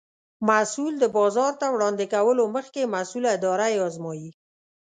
محصول د بازار ته وړاندې کولو مخکې مسؤله اداره یې ازمایي.